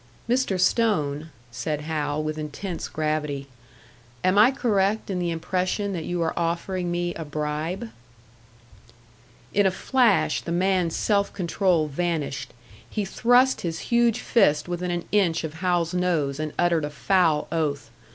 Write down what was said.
"Mr. Stone," said Hal, with intense gravity, "am I correct in the impression that you are offering me a bribe?" In a flash, the man's self control vanished. He thrust his huge fist within an inch of Hal's nose, and uttered a foul oath.